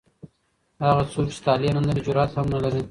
هغه څوک چي طالع نه لري جرئت هم نه لري.